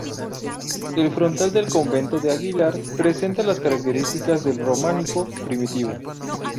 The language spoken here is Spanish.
El frontal del Convento de Aguiar presenta las características del románico primitivo.